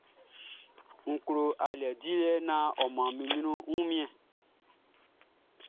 N klo aliɛ dilɛ naan ɔ mʼan mi ɲan wunmiɛn.